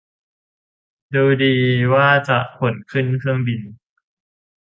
ดูดี ว่าจะขนขึ้นเครื่องบิน